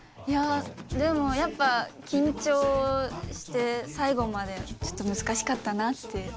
いやあでもやっぱ緊張して最後までちょっと難しかったなって。